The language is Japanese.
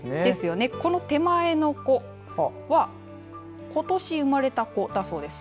この手前のこはことし生まれたこだそうです。